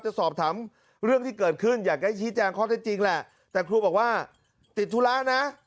จะสอบถามเรื่องที่เกิดขึ้นอยากจะให้ชี้แจงข้อเท็จจริงแหละแต่ครูบอกว่าติดธุระนะ